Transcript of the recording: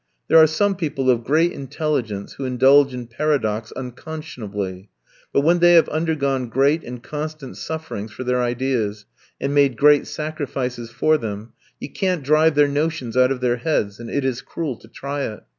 There are some people of great intelligence who indulge in paradox unconscionably; but when they have undergone great and constant sufferings for their ideas and made great sacrifices for them, you can't drive their notions out of their heads, and it is cruel to try it.